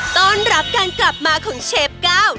ต้อนรับการกลับมาของเชฟเก้า